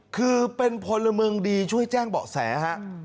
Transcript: คือเป็นพลเมืองดีช่วยแจ้งเบาะแสฮะ